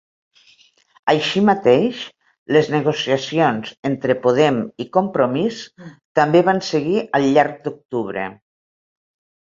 Així mateix, les negociacions entre Podem i Compromís també van seguir al llarg d'octubre.